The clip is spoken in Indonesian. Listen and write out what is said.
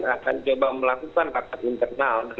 akan coba melakukan rapat internal